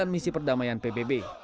misi perdamaian pbb